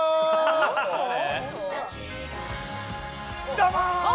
どうも！